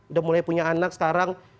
udah mulai punya anak sekarang